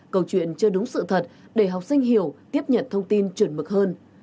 câu chuyện chưa đúng sự thật để học sinh hiểu tiếp nhận thông tin chuẩn mực hơn